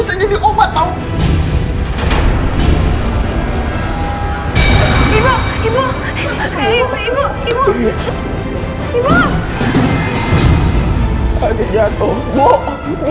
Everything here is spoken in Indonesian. senang bebas dan tanpa beban cuk